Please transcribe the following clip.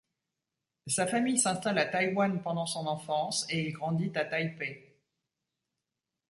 Sa famille s'installe à Taïwan pendant son enfance et il grandit à Taipei.